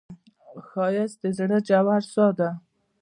ښایست د زړه ژور ساه ده